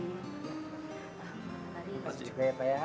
terima kasih pak